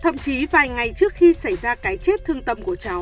thậm chí vài ngày trước khi xảy ra cái chết thương tâm của cháu